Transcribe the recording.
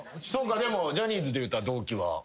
そうかでもジャニーズでいうたら同期は。